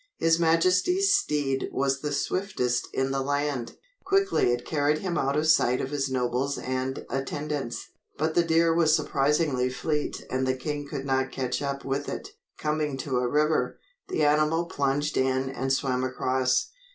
His majesty's steed was the swiftest in the land. Quickly it carried him out of sight of his nobles and attendants. But the deer was surprisingly fleet and the king could not catch up with it. Coming to a river, the animal plunged in and swam across.